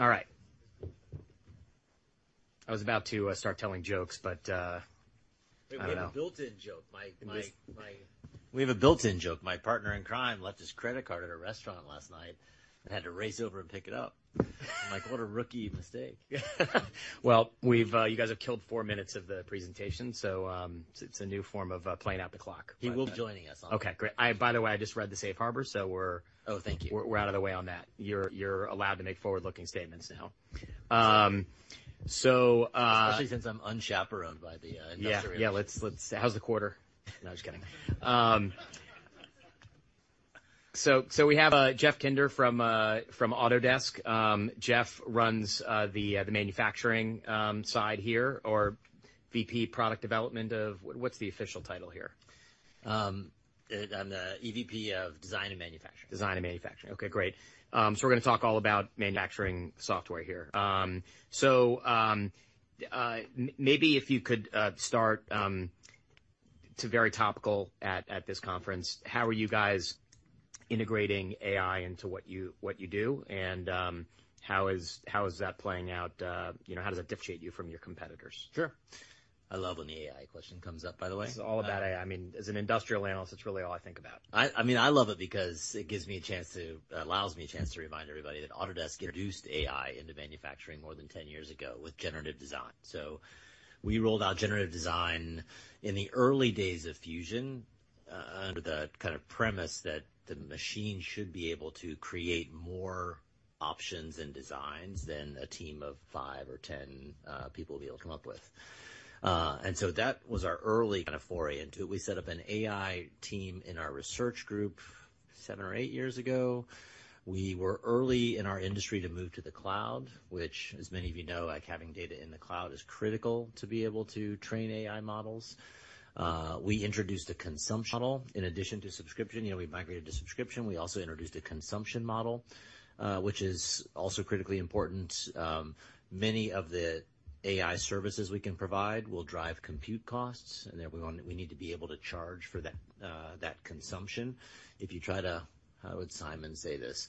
All right. I was about to start telling jokes, but I don't know. We have a built-in joke. We have a built-in joke. My partner in crime left his credit card at a restaurant last night and had to race over and pick it up. I'm like, "What a rookie mistake." Well, we've, you guys have killed four minutes of the presentation, so, it's, it's a new form of, playing out the clock. He will be joining us on that. Okay. Great. I, by the way, I just read the safe harbor, so we're. Oh, thank you. We're out of the way on that. You're allowed to make forward-looking statements now. Especially since I'm unchaperoned by the industry. Yeah. Let's how's the quarter? No, just kidding. So we have Jeff Kinder from Autodesk. Jeff runs the manufacturing side here or VP product development of what's the official title here? I'm the EVP of Design and Manufacturing. Design and manufacturing. Okay. Great. So we're gonna talk all about manufacturing software here. So, maybe if you could start to very topical at this conference, how are you guys integrating AI into what you do, and how is that playing out, you know, how does that differentiate you from your competitors? Sure. I love when the AI question comes up, by the way. It's all about AI. I mean, as an industrial analyst, it's really all I think about. I mean, I love it because it allows me a chance to remind everybody that Autodesk introduced AI into manufacturing more than 10 years ago with Generative Design. So we rolled out Generative Design in the early days of Fusion, under the kind of premise that the machine should be able to create more options and designs than a team of 5 or 10 people will be able to come up with. And so that was our early kind of foray into it. We set up an AI team in our research group 7 or 8 years ago. We were early in our industry to move to the cloud, which, as many of you know, like, having data in the cloud is critical to be able to train AI models. We introduced a consumption model. In addition to subscription, you know, we migrated to subscription. We also introduced a consumption model, which is also critically important. Many of the AI services we can provide will drive compute costs, and there we wanna we need to be able to charge for that, that consumption. If you try to how would Simon say this?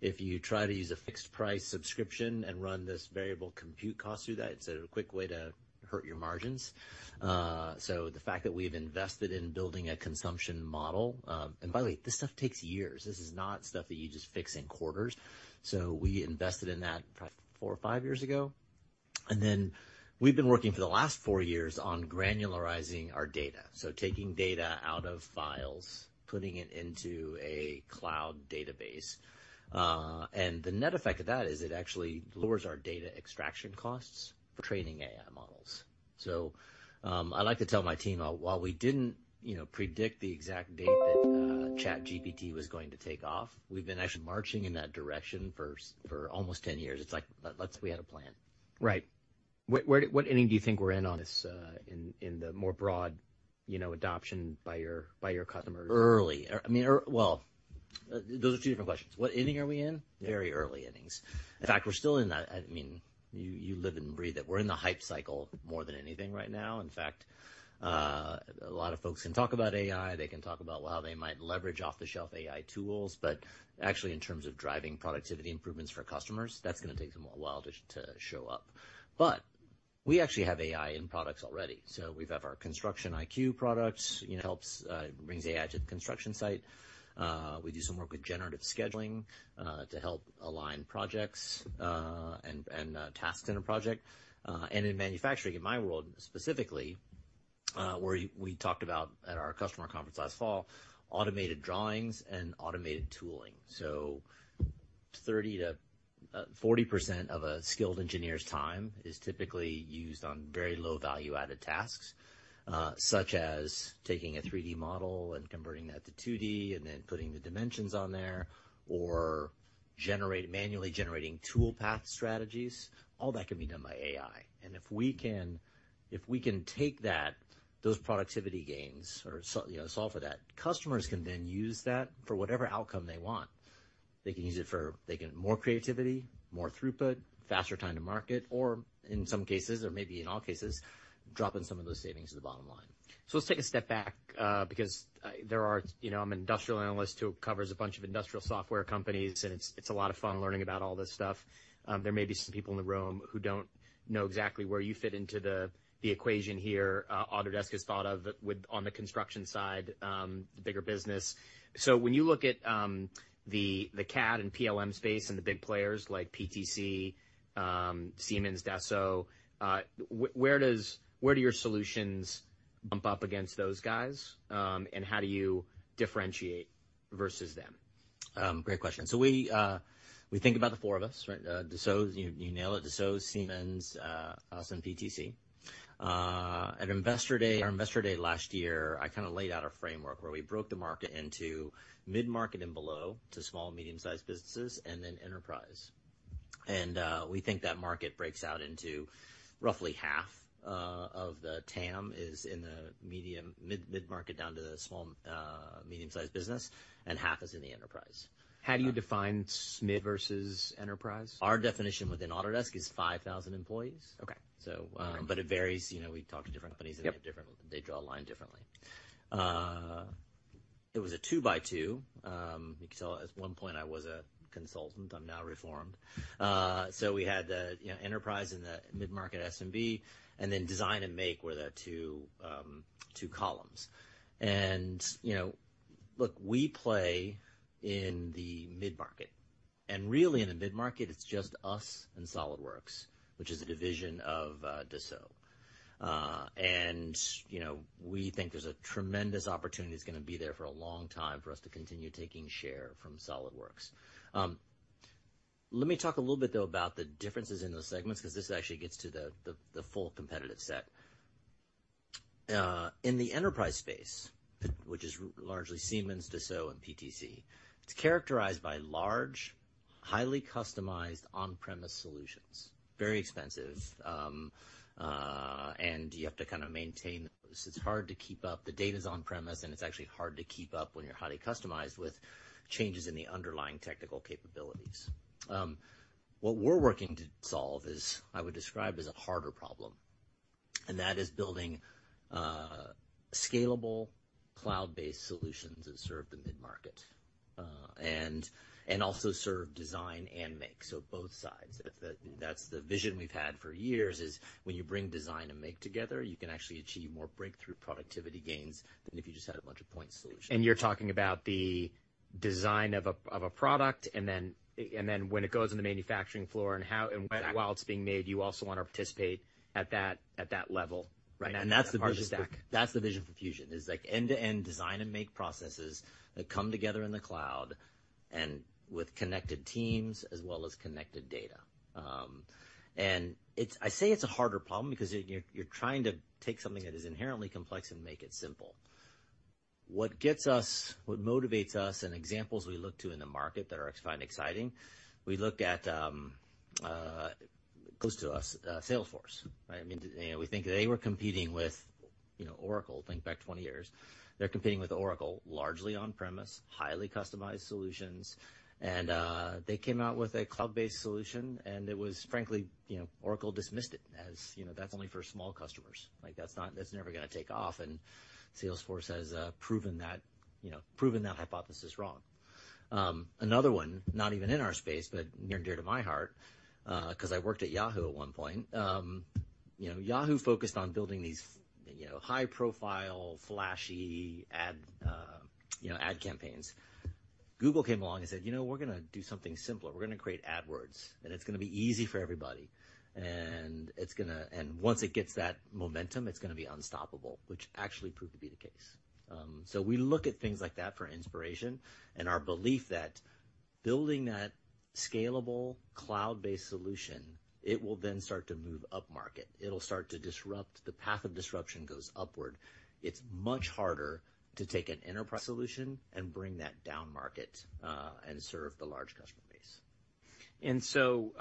If you try to use a fixed-price subscription and run this variable compute cost through that, it's a quick way to hurt your margins. So the fact that we've invested in building a consumption model and by the way, this stuff takes years. This is not stuff that you just fix in quarters. So we invested in that probably four or five years ago. And then we've been working for the last four years on granularizing our data, so taking data out of files, putting it into a cloud database. The net effect of that is it actually lowers our data extraction costs for training AI models. So, I like to tell my team, while we didn't, you know, predict the exact date that ChatGPT was going to take off, we've been actually marching in that direction for almost 10 years. It's like, Let's we had a plan. Right. What inning do you think we're in on this in the more broad, you know, adoption by your customers? Early. Or, I mean, or well, those are two different questions. What inning are we in? Very early innings. In fact, we're still in that. I mean, you live and breathe it. We're in the hype cycle more than anything right now. In fact, a lot of folks can talk about AI. They can talk about, well, how they might leverage off-the-shelf AI tools. But actually, in terms of driving productivity improvements for customers, that's gonna take them a while to show up. But we actually have AI in products already. So we have our Construction IQ products, you know, helps brings AI to the construction site. We do some work with generative scheduling, to help align projects, and tasks in a project. And in manufacturing, in my world specifically, where we talked about at our customer conference last fall, automated drawings and automated tooling. So 30%-40% of a skilled engineer's time is typically used on very low-value-added tasks, such as taking a 3D model and converting that to 2D and then putting the dimensions on there or manually generating tool path strategies. All that can be done by AI. And if we can take that, those productivity gains or, you know, solve for that, customers can then use that for whatever outcome they want. They can use it for more creativity, more throughput, faster time to market, or in some cases or maybe in all cases, dropping some of those savings to the bottom line. So let's take a step back, because there are, you know, I'm an industrial analyst who covers a bunch of industrial software companies, and it's, it's a lot of fun learning about all this stuff. There may be some people in the room who don't know exactly where you fit into the equation here. Autodesk has thought of it with on the construction side, the bigger business. So when you look at the CAD and PLM space and the big players like PTC, Siemens, Dassault, where do your solutions bump up against those guys, and how do you differentiate versus them? Great question. So we think about the four of us, right? Dassault, you nail it. Dassault, Siemens, us, and PTC. At Investor Day, our Investor Day last year, I kinda laid out a framework where we broke the market into mid-market and below to small and medium-sized businesses and then enterprise. We think that market breaks out into roughly half of the TAM is in the mid-market down to the small, medium-sized business, and half is in the enterprise. How do you define SMB versus enterprise? Our definition within Autodesk is 5,000 employees. Okay. So, but it varies. You know, we talk to different companies, and they have different they draw a line differently. It was a two-by-two. You can tell at one point, I was a consultant. I'm now reformed. So we had the, you know, enterprise and the mid-market SMB, and then design and make were the two columns. And, you know, look, we play in the mid-market. And really, in the mid-market, it's just us and SolidWorks, which is a division of Dassault. And, you know, we think there's a tremendous opportunity that's gonna be there for a long time for us to continue taking share from SolidWorks. Let me talk a little bit, though, about the differences in those segments 'cause this actually gets to the full competitive set. In the enterprise space, which is largely Siemens, Dassault, and PTC, it's characterized by large, highly customized on-premise solutions, very expensive, and you have to kinda maintain those. It's hard to keep up. The data's on-premise, and it's actually hard to keep up when you're highly customized with changes in the underlying technical capabilities. What we're working to solve is I would describe as a harder problem, and that is building scalable cloud-based solutions that serve the mid-market, and, and also serve design and make, so both sides. That's the that's the vision we've had for years is when you bring design and make together, you can actually achieve more breakthrough productivity gains than if you just had a bunch of point solutions. You're talking about the design of a product and then when it goes on the manufacturing floor and how what while it's being made, you also wanna participate at that level, right? Right. That's the vision for. That's the stack. That's the vision for Fusion is, like, end-to-end design and make processes that come together in the cloud and with connected teams as well as connected data. And it's, I say it's a harder problem because it's, you're trying to take something that is inherently complex and make it simple. What gets us, what motivates us and examples we look to in the market that are exciting, we look at, close to us, Salesforce, right? I mean, do you know, we think they were competing with, you know, Oracle. Think back 20 years. They're competing with Oracle, largely on-premise, highly customized solutions. And they came out with a cloud-based solution, and it was frankly, you know, Oracle dismissed it as, you know, that's only for small customers. Like, that's not; that's never gonna take off. And Salesforce has proven that, you know, proven that hypothesis wrong. Another one, not even in our space but near and dear to my heart, 'cause I worked at Yahoo at one point, you know, Yahoo focused on building these, you know, high-profile, flashy ad, you know, ad campaigns. Google came along and said, "You know, we're gonna do something simpler. We're gonna create AdWords, and it's gonna be easy for everybody. And it's gonna and once it gets that momentum, it's gonna be unstoppable," which actually proved to be the case. So we look at things like that for inspiration and our belief that building that scalable cloud-based solution, it will then start to move up market. It'll start to disrupt the path of disruption goes upward. It's much harder to take an enterprise solution and bring that down market, and serve the large customer base. And so,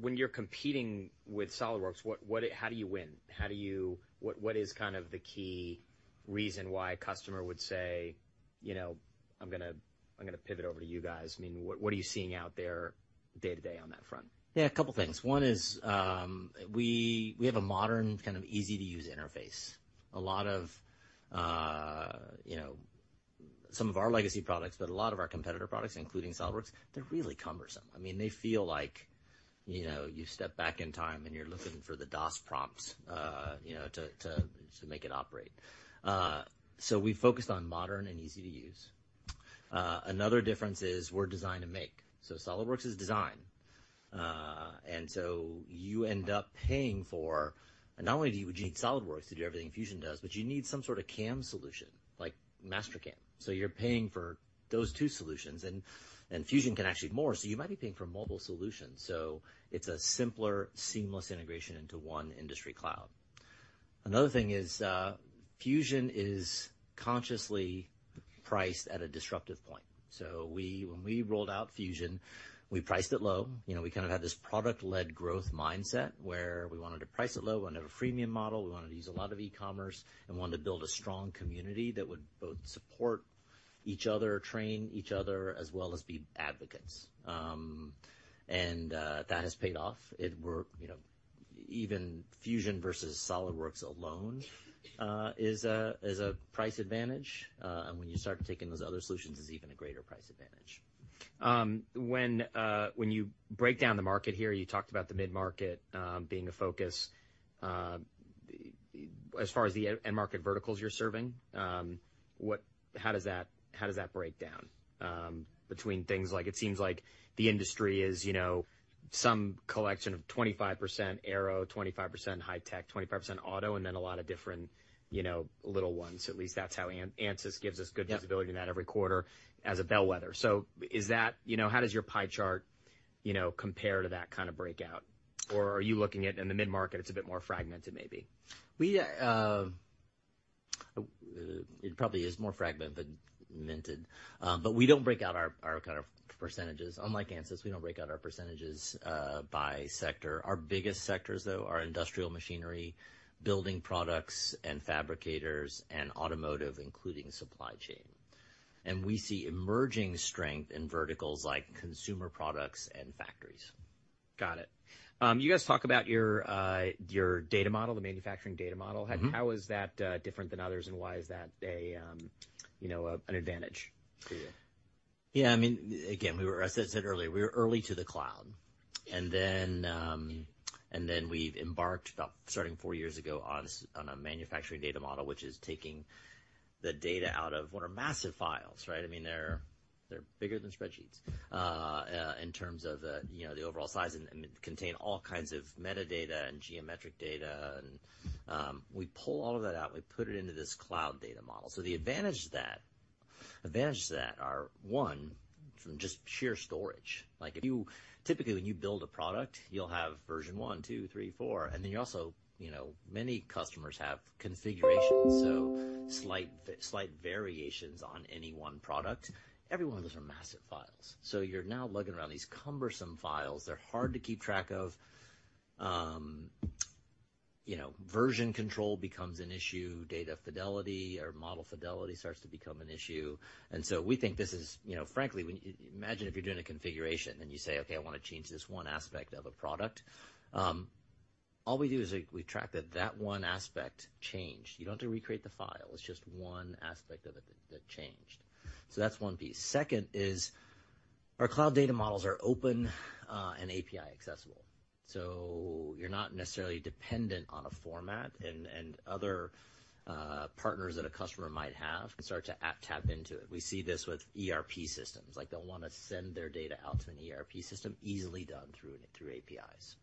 when you're competing with SolidWorks, what, how do you win? How do you, what is kind of the key reason why a customer would say, you know, "I'm gonna pivot over to you guys"? I mean, what are you seeing out there day to day on that front? Yeah. A couple things. One is, we, we have a modern kind of easy-to-use interface. A lot of, you know, some of our legacy products, but a lot of our competitor products, including SolidWorks, they're really cumbersome. I mean, they feel like, you know, you step back in time, and you're looking for the DOS prompts, you know, to make it operate. So we've focused on modern and easy to use. Another difference is we're design and make. So SolidWorks is design. And so you end up paying for and not only do you would you need SolidWorks to do everything Fusion does, but you need some sort of CAM solution, like Mastercam. So you're paying for those two solutions. And Fusion can actually more. So you might be paying for multiple solutions. So it's a simpler, seamless integration into one industry cloud. Another thing is, Fusion is consciously priced at a disruptive point. So when we rolled out Fusion, we priced it low. You know, we kind of had this product-led growth mindset where we wanted to price it low. We wanted to have a freemium model. We wanted to use a lot of e-commerce and wanted to build a strong community that would both support each other, train each other, as well as be advocates. That has paid off. It's, you know, even Fusion versus SolidWorks alone is a price advantage. When you start taking those other solutions, it's even a greater price advantage. When you break down the market here, you talked about the mid-market being a focus. As far as the end-market verticals you're serving, what, how does that break down between things like it seems like the industry is, you know, some collection of 25% Aero, 25% high-tech, 25% auto, and then a lot of different, you know, little ones. At least that's how Ansys gives us good visibility in that every quarter as a bellwether. So is that, you know, how does your pie chart, you know, compare to that kinda breakout? Or are you looking at in the mid-market, it's a bit more fragmented, maybe? Well, it probably is more fragmented than mentioned. But we don't break out our kind of percentages. Unlike Ansys, we don't break out our percentages by sector. Our biggest sectors, though, are industrial machinery, building products, and fabricators, and automotive, including supply chain. And we see emerging strength in verticals like consumer products and factories. Got it. You guys talk about your data model, the manufacturing data model. How is that different than others, and why is that a, you know, an advantage to you? Yeah. I mean, again, we were as I said earlier, we were early to the cloud. And then, and then we've embarked about starting four years ago on a manufacturing data model, which is taking the data out of what are massive files, right? I mean, they're, they're bigger than spreadsheets, in terms of, you know, the overall size and, I mean, contain all kinds of metadata and geometric data. And, we pull all of that out. We put it into this cloud data model. So the advantage to that advantage to that are, one, from just sheer storage. Like, if you typically, when you build a product, you'll have version one, two, three, four. And then you also, you know many customers have configurations, so slight variations on any one product. Every one of those are massive files. So you're now lugging around these cumbersome files. They're hard to keep track of. You know, version control becomes an issue. Data fidelity or model fidelity starts to become an issue. And so we think this is, you know, frankly, when I imagine if you're doing a configuration, and you say, "Okay. I wanna change this one aspect of a product," all we do is, like, we track that that one aspect changed. You don't have to recreate the file. It's just one aspect of it that, that changed. So that's one piece. Second is our cloud data models are open, and API accessible. So you're not necessarily dependent on a format and, and other partners that a customer might have can start to tap into it. We see this with ERP systems. Like, they'll wanna send their data out to an ERP system, easily done through through APIs.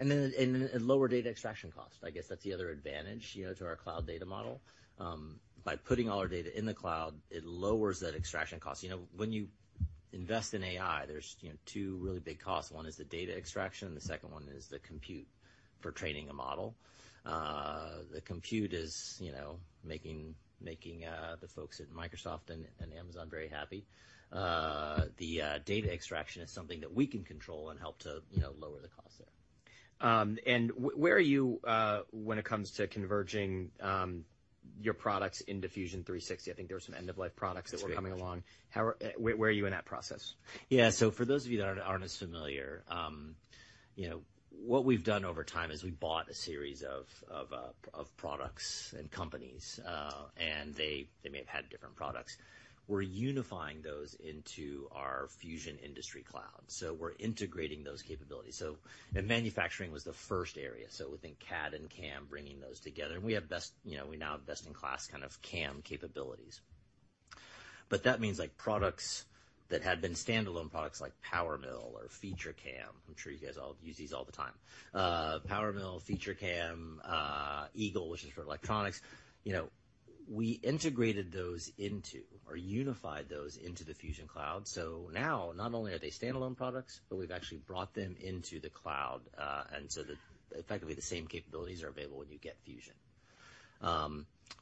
And then it lowers data extraction cost. I guess that's the other advantage, you know, to our cloud data model. By putting all our data in the cloud, it lowers that extraction cost. You know, when you invest in AI, there's, you know, two really big costs. One is the data extraction, and the second one is the compute for training a model. The compute is, you know, making the folks at Microsoft and Amazon very happy. The data extraction is something that we can control and help to, you know, lower the cost there. Where are you, when it comes to converging your products into Fusion 360? I think there were some end-of-life products that were coming along. That's right. Where are you in that process? Yeah. So for those of you that aren't as familiar, you know, what we've done over time is we bought a series of products and companies, and they may have had different products. We're unifying those into our Fusion Industry Cloud. So we're integrating those capabilities. So and manufacturing was the first area. So within CAD and CAM, bringing those together. And we have best, you know, we now have best-in-class kind of CAM capabilities. But that means, like, products that had been standalone products like PowerMill or FeatureCAM - I'm sure you guys all use these all the time - PowerMill, FeatureCAM, EAGLE, which is for electronics, you know, we integrated those into or unified those into the Fusion cloud. So now, not only are they standalone products, but we've actually brought them into the cloud, and so effectively, the same capabilities are available when you get Fusion.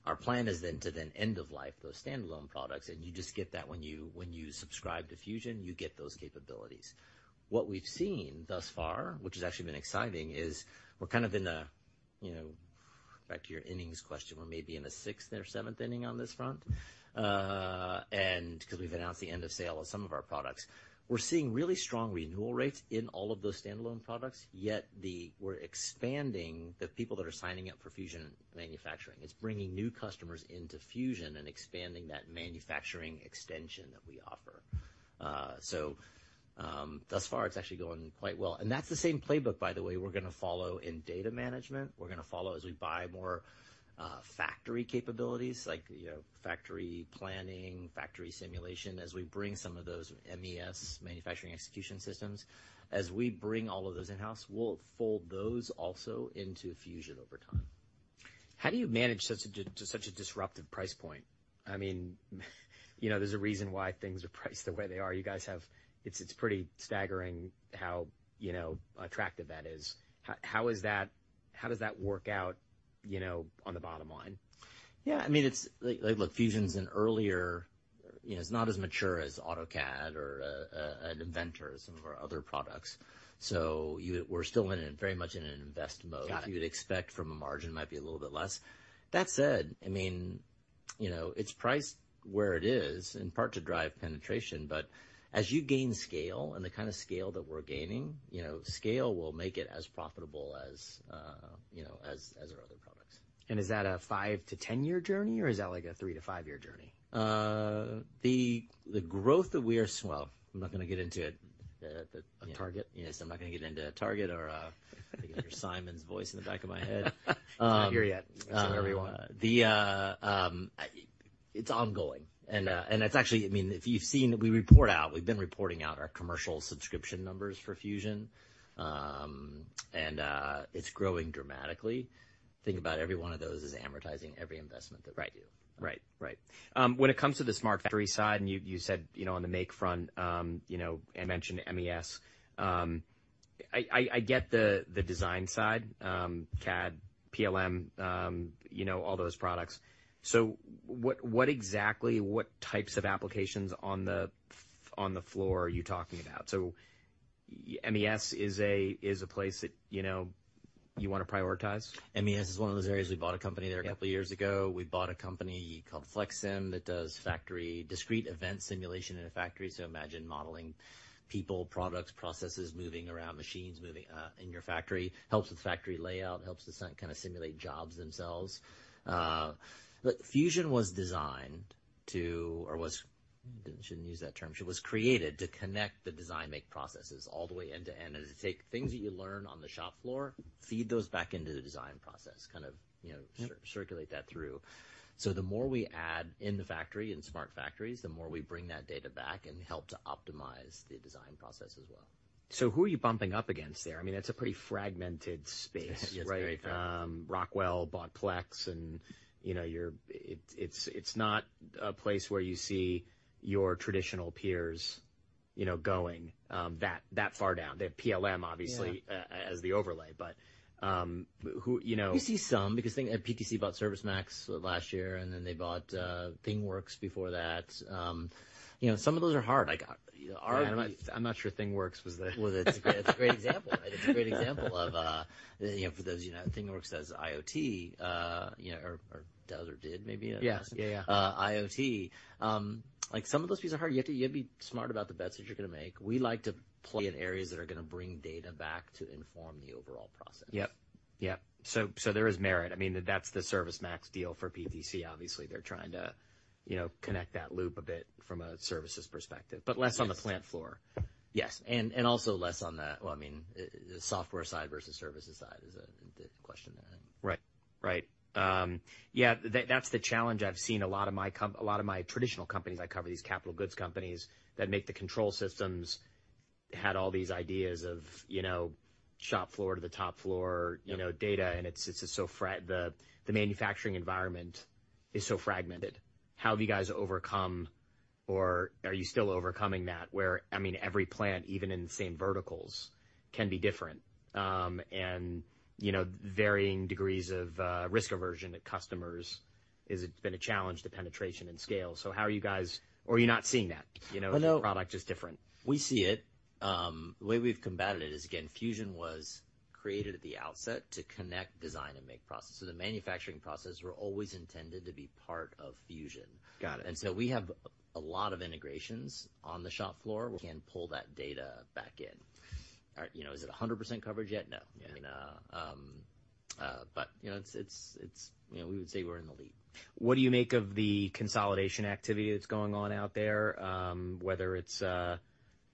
Our plan is then to end-of-life those standalone products, and you just get that when you subscribe to Fusion, you get those capabilities. What we've seen thus far, which has actually been exciting, is we're kind of in a, you know, back to your innings question. We're maybe in a sixth or seventh inning on this front, and 'cause we've announced the end of sale of some of our products. We're seeing really strong renewal rates in all of those standalone products, yet we're expanding the people that are signing up for Fusion manufacturing. It's bringing new customers into Fusion and expanding that manufacturing extension that we offer. So, thus far, it's actually going quite well. That's the same playbook, by the way, we're gonna follow in data management. We're gonna follow as we buy more factory capabilities, like, you know, factory planning, factory simulation, as we bring some of those MES, manufacturing execution systems. As we bring all of those in-house, we'll fold those also into Fusion over time. How do you manage such a to such a disruptive price point? I mean, you know, there's a reason why things are priced the way they are. You guys have, it's pretty staggering how, you know, attractive that is. How is that? How does that work out, you know, on the bottom line? Yeah. I mean, it's like, like, look, Fusion's an earlier, you know, it's not as mature as AutoCAD or Inventor or some of our other products. So, we're still very much in an invest mode. Got it. What you would expect from a margin might be a little bit less. That said, I mean, you know, it's priced where it is in part to drive penetration. But as you gain scale and the kinda scale that we're gaining, you know, scale will make it as profitable as, you know, as, as our other products. Is that a five to 10-year journey, or is that, like, a three to five-year journey? The growth that we are seeing. Well, I'm not gonna get into it. The, you know. A target? Yes. I'm not gonna get into a target or, I think I hear Simon's voice in the back of my head. I can't hear yet. It's on everyone. It's ongoing. And it's actually, I mean, if you've seen, we report out, we've been reporting out our commercial subscription numbers for Fusion. And it's growing dramatically. Think about every one of those is amortizing every investment that we do. Right. When it comes to the smart factory side, and you said, you know, on the make front, you know, and mentioned MES, I get the design side, CAD, PLM, you know, all those products. So what, what exactly what types of applications on the floor are you talking about? So yeah, MES is a place that, you know, you wanna prioritize? MES is one of those areas. We bought a company there a couple years ago. We bought a company called FlexSim that does factory discrete event simulation in a factory. So imagine modeling people, products, processes moving around, machines moving, in your factory. Helps with factory layout. Helps to simulate jobs themselves. Look, Fusion was designed to or was didn't shouldn't use that term. It was created to connect the design-make processes all the way end to end. It'd take things that you learn on the shop floor, feed those back into the design process, kind of, you know. Sure. Circulate that through. So the more we add in the factory in smart factories, the more we bring that data back and help to optimize the design process as well. So who are you bumping up against there? I mean, that's a pretty fragmented space, right? Yes. It's very fragmented. Rockwell bought Plex, and, you know, you're—it's, it's not a place where you see your traditional peers, you know, going, that, that far down. They have PLM, obviously. Yeah. As the overlay. But who, you know. We see some because thing PTC bought ServiceMax last year, and then they bought ThingWorx before that. You know, some of those are hard. Like, you know, our. Yeah. I'm not sure ThingWorx was the. Well, it's a great example, right? It's a great example of, you know, for those, you know, ThingWorx does IoT, you know, or did, maybe, in the past. Yeah. IoT. Like, some of those pieces are hard. You have to be smart about the bets that you're gonna make. We like to play in areas that are gonna bring data back to inform the overall process. Yep. So there is merit. I mean, that's the ServiceMax deal for PTC. Obviously, they're trying to, you know, connect that loop a bit from a services perspective. Yes. But less on the plant floor. Yes. And also less on the, well, I mean, the software side versus services side is a question there, I think. Right. Yeah. That's the challenge. I've seen a lot of my traditional companies—I cover these capital goods companies—that make the control systems had all these ideas of, you know, shop floor to the top floor, you know, data. And it's just so fragmented, the manufacturing environment is so fragmented. How have you guys overcome or are you still overcoming that where, I mean, every plant, even in the same verticals, can be different? And, you know, varying degrees of risk aversion at customers—it's been a challenge to penetration and scale. So how are you guys? Or are you not seeing that, you know? Well, no. The product is different? We see it. The way we've combated it is, again, Fusion was created at the outset to connect design and make process. So the manufacturing processes were always intended to be part of Fusion. Got it. And so we have a lot of integrations on the shop floor. Can pull that data back in. Are you know, is it 100% coverage yet? No. Yeah. I mean, but, you know, it's, you know, we would say we're in the lead. What do you make of the consolidation activity that's going on out there, whether it's,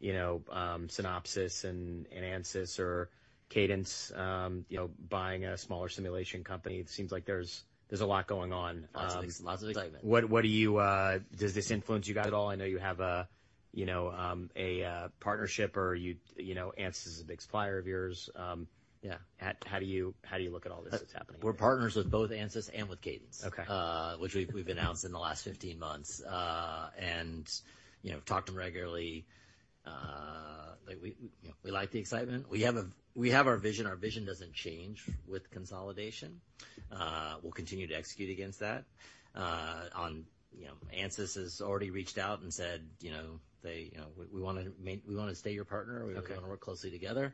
you know, Synopsys and Ansys or Cadence, you know, buying a smaller simulation company? It seems like there's a lot going on, Lots of excitement. What does this influence you guys at all? I know you have a, you know, a partnership, or you know Ansys is a big supplier of yours. Yeah. How do you look at all this that's happening? We're partners with both Ansys and with Cadence. Okay. which we've announced in the last 15 months, and, you know, talk to them regularly. Like, we, you know, we like the excitement. We have our vision. Our vision doesn't change with consolidation. We'll continue to execute against that, you know. Ansys has already reached out and said, you know, they, you know, we wanna stay your partner. Okay. We wanna work closely together.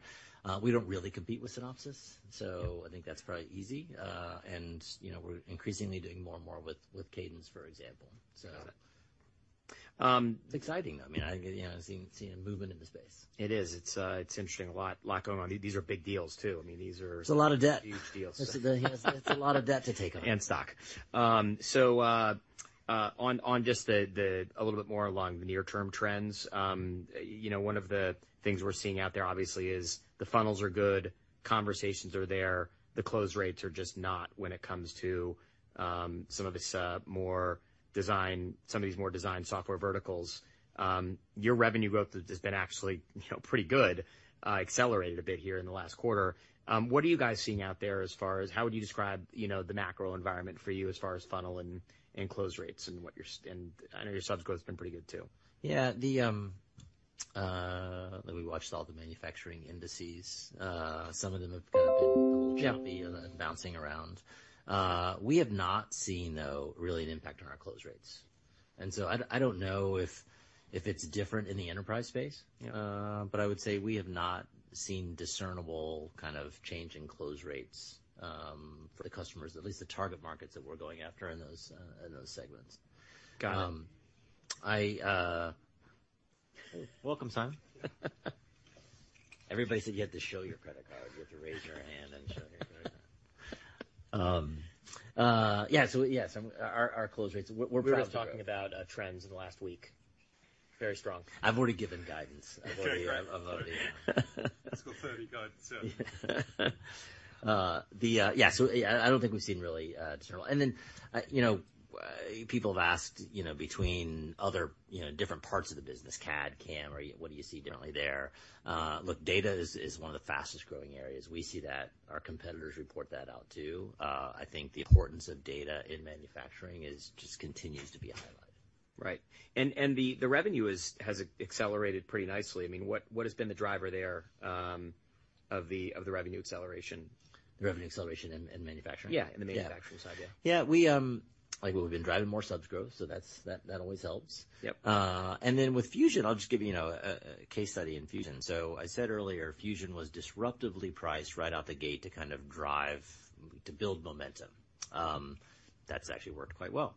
We don't really compete with Synopsys, so I think that's probably easy. You know, we're increasingly doing more and more with Cadence, for example, so. Got it. It's exciting, though. I mean, I think it you know, I've seen, seen a movement in the space. It is. It's interesting. A lot, lot going on. These are big deals, too. I mean, these are. It's a lot of debt. Huge deals. It's a lot of debt to take on. And stock. So, on just a little bit more along the near-term trends, you know, one of the things we're seeing out there, obviously, is the funnels are good. Conversations are there. The close rates are just not when it comes to some of this more design, some of these more design software verticals. Your revenue growth that has been actually, you know, pretty good, accelerated a bit here in the last quarter. What are you guys seeing out there as far as how would you describe, you know, the macro environment for you as far as funnel and close rates and what you're s and I know your subs growth's been pretty good, too. Yeah. The, like, we watched all the manufacturing indices. Some of them have kinda been a little jumpy. Yeah. Bouncing around. We have not seen, though, really an impact on our close rates. And so I don't know if it's different in the enterprise space. Yeah. But I would say we have not seen discernible kind of change in close rates, for the customers, at least the target markets that we're going after in those, in those segments. Got it. Welcome, Simon. Everybody said you have to show your credit card. You have to raise your hand and show your credit card. Yeah. So yes. Our close rates. We're proud of that. We were just talking about trends in the last week. Very strong. I've already given guidance. Sure. I've already, sir. Yeah. So I don't think we've seen really discernible. And then, you know, people have asked, you know, between other, you know, different parts of the business, CAD, CAM, or what do you see differently there? Look, data is one of the fastest-growing areas. We see that. Our competitors report that out, too. I think the importance of data in manufacturing is just continues to be a highlight. Right. And the revenue has accelerated pretty nicely. I mean, what has been the driver there, of the revenue acceleration? The revenue acceleration in manufacturing? Yeah. In the manufacturing side. Yeah. Yeah. We, like, well, we've been driving more subs growth, so that's always helps. Yep. And then with Fusion, I'll just give you, you know, a case study in Fusion. So I said earlier, Fusion was disruptively priced right out the gate to kind of drive to build momentum. That's actually worked quite well.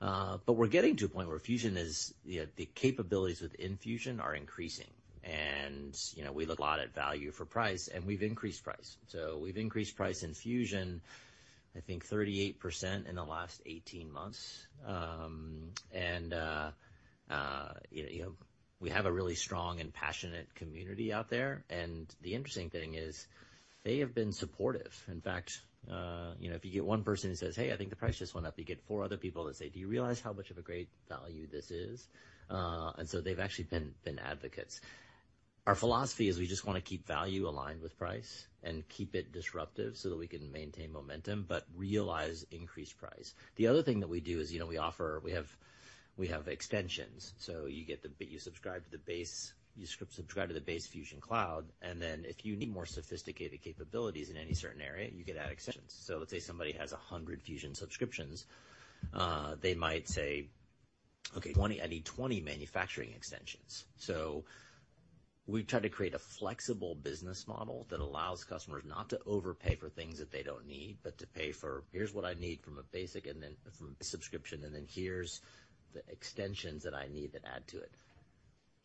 But we're getting to a point where Fusion is, you know, the capabilities within Fusion are increasing. And, you know, we look a lot at value for price, and we've increased price. So we've increased price in Fusion, I think, 38% in the last 18 months. And, you know, we have a really strong and passionate community out there. And the interesting thing is, they have been supportive. In fact, you know, if you get one person who says, "Hey, I think the price just went up," you get four other people that say, "Do you realize how much of a great value this is?" and so they've actually been advocates. Our philosophy is, we just wanna keep value aligned with price and keep it disruptive so that we can maintain momentum but realize increased price. The other thing that we do is, you know, we offer extensions. So you subscribe to the base Fusion Cloud. And then if you need more sophisticated capabilities in any certain area, you could add extensions. So let's say somebody has 100 Fusion subscriptions. They might say, "Okay. I need 20 manufacturing extensions." So we've tried to create a flexible business model that allows customers not to overpay for things that they don't need but to pay for, "Here's what I need from a basic and then from a subscription, and then here's the extensions that I need that add to it."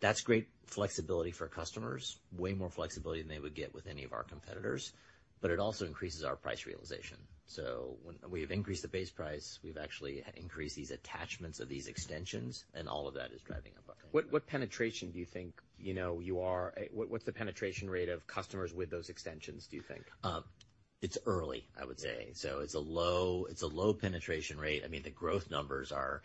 That's great flexibility for customers, way more flexibility than they would get with any of our competitors. But it also increases our price realization. So when we have increased the base price, we've actually increased these attachments of these extensions, and all of that is driving up our price. What penetration do you think, you know, you are? What's the penetration rate of customers with those extensions, do you think? It's early, I would say. Okay. So it's a low penetration rate. I mean, the growth numbers are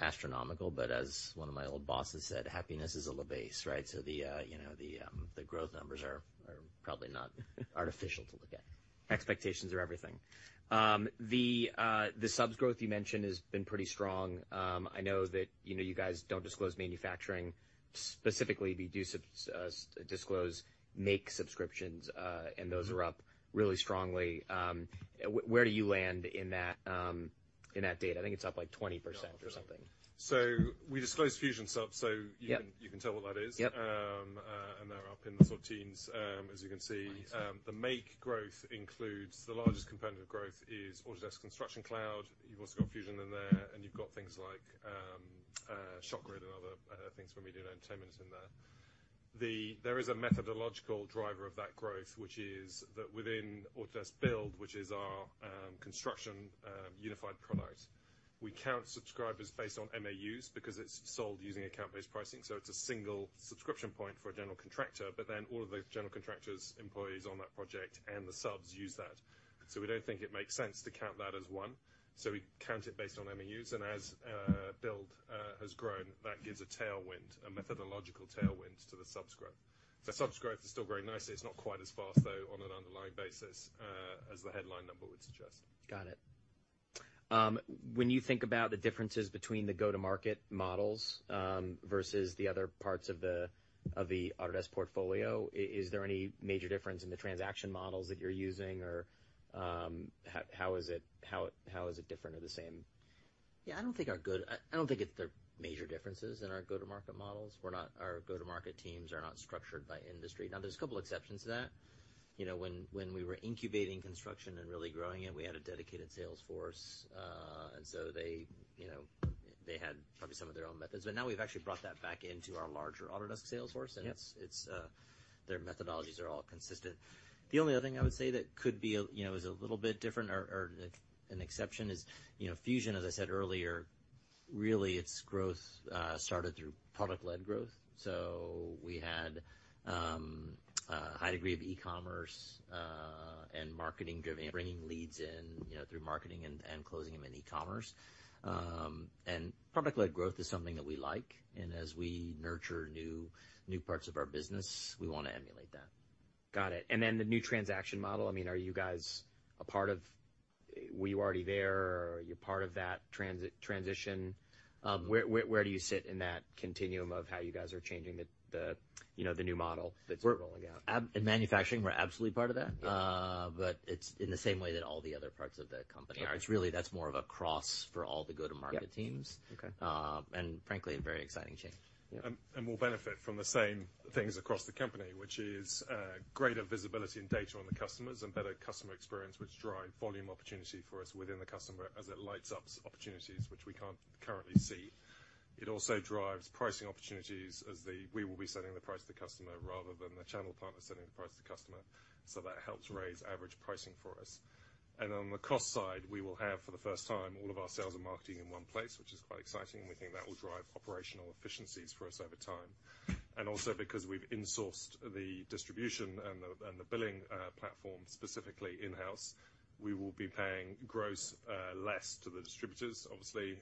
astronomical. But as one of my old bosses said, "Happiness is a low base," right? So you know, the growth numbers are probably not artificial to look at. Expectations are everything. The subs growth you mentioned has been pretty strong. I know that, you know, you guys don't disclose manufacturing specifically. We do disclose subscriptions, and those are up really strongly. Where do you land in that, in that data? I think it's up, like, 20% or something. We disclose Fusion subs, so you can. Yeah. You can tell what that is. Yep. They're up in the sort of teams, as you can see. Nice. The AEC growth includes the largest cohort growth, which is Autodesk Construction Cloud. You've also got Fusion in there. And you've got things like ShotGrid and other things when we do entertainment in there. There is a methodological driver of that growth, which is that within Autodesk Build, which is our construction unified product, we count subscribers based on MAUs because it's sold using account-based pricing. So it's a single subscription point for a general contractor. But then all of the general contractors' employees on that project and the subs use that. So we don't think it makes sense to count that as one. So we count it based on MAUs. And as Build has grown, that gives a tailwind, a methodological tailwind, to the subs growth. The subs growth is still growing nicely. It's not quite as fast, though, on an underlying basis, as the headline number would suggest. Got it. When you think about the differences between the go-to-market models, versus the other parts of the Autodesk portfolio, is there any major difference in the transaction models that you're using or, how is it different or the same? Yeah. I don't think it's their major differences in our go-to-market models. Our go-to-market teams are not structured by industry. Now, there's a couple exceptions to that. You know, when we were incubating construction and really growing it, we had a dedicated sales force. And so they, you know, they had probably some of their own methods. But now we've actually brought that back into our larger Autodesk sales force. Yep. It's their methodologies are all consistent. The only other thing I would say that could be, you know, a little bit different or an exception is, you know, Fusion, as I said earlier, really its growth started through product-led growth. So we had a high degree of e-commerce and marketing-driven, bringing leads in, you know, through marketing and closing them in e-commerce. And product-led growth is something that we like. And as we nurture new parts of our business, we wanna emulate that. Got it. And then the new transaction model, I mean, are you guys a part of it? Were you already there, or are you part of that transition? Where do you sit in that continuum of how you guys are changing the, you know, the new model that's rolling out? We're a big in manufacturing, we're absolutely part of that. Yeah. It's in the same way that all the other parts of the company are. It's really that's more of a cross for all the go-to-market teams. Yep. Okay. And frankly, a very exciting change. Yeah. And we'll benefit from the same things across the company, which is greater visibility and data on the customers and better customer experience, which drive volume opportunity for us within the customer as it lights up as opportunities, which we can't currently see. It also drives pricing opportunities as we will be setting the price to the customer rather than the channel partner setting the price to the customer. So that helps raise average pricing for us. And on the cost side, we will have, for the first time, all of our sales and marketing in one place, which is quite exciting. And we think that will drive operational efficiencies for us over time. And also because we've insourced the distribution and the billing platform specifically in-house, we will be paying gross less to the distributors, obviously,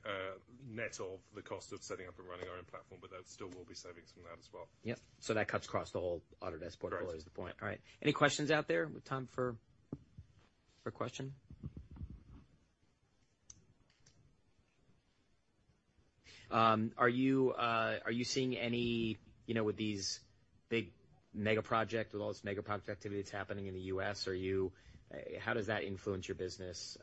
net of the cost of setting up and running our own platform. But that still will be savings from that as well. Yep. So that cuts across the whole Autodesk portfolio is the point. Right. All right. Any questions out there? We've time for a question. Are you seeing any, you know, with these big mega project with all this mega project activity that's happening in the U.S., how does that influence your business,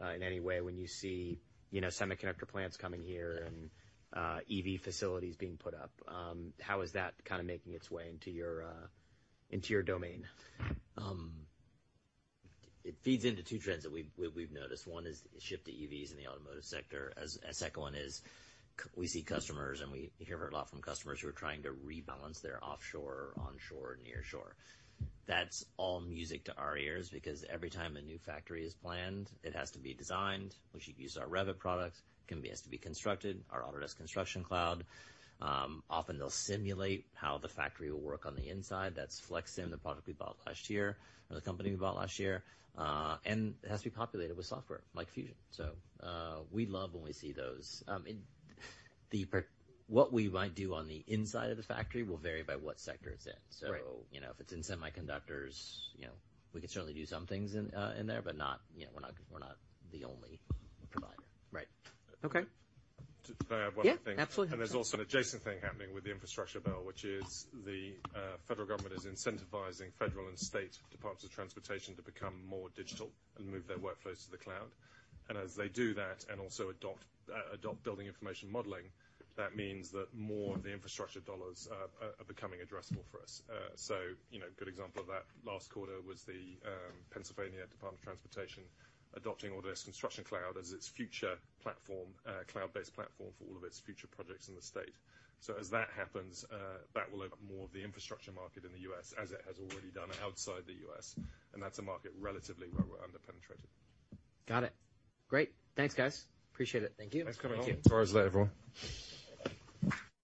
in any way when you see, you know, semiconductor plants coming here and, EV facilities being put up? How is that kinda making its way into your, into your domain? It feeds into two trends that we've noticed. One is the shift to EVs in the automotive sector. As the second one is, we see customers, and we hear a lot from customers who are trying to rebalance their offshore, onshore, nearshore. That's all music to our ears because every time a new factory is planned, it has to be designed. We should use our Revit products. It has to be constructed, our Autodesk Construction Cloud. Often, they'll simulate how the factory will work on the inside. That's FlexSim, the product we bought last year or the company we bought last year. And it has to be populated with software like Fusion. So, we love when we see those. It, the per what we might do on the inside of the factory will vary by what sector it's in. Right. So, you know, if it's in semiconductors, you know, we could certainly do some things in there, but not, you know, we're not the only provider. Right. Okay. Did I have one more thing? Yeah. Absolutely. There's also an adjacent thing happening with the infrastructure bill, which is the federal government is incentivizing federal and state departments of transportation to become more digital and move their workflows to the cloud. As they do that and also adopt Building Information Modeling, that means that more of the infrastructure dollars are becoming addressable for us. You know, good example of that, last quarter, was the Pennsylvania Department of Transportation adopting Autodesk Construction Cloud as its future platform, cloud-based platform for all of its future projects in the state. As that happens, that will open up more of the infrastructure market in the U.S. as it has already done outside the U.S. That's a market relatively where we're underpenetrated. Got it. Great. Thanks, guys. Appreciate it. Thank you. Thanks for coming in. Thank you. [Umcertain]